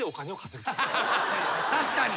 確かに。